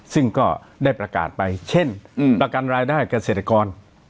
ซึ่งก็ได้ประกาศไปเช่นประกันรายได้เกษตรกร